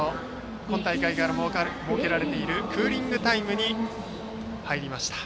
今大会から設けられているクーリングタイムに入りました。